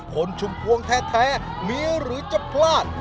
ชุมพวงแท้มีหรือจะพลาด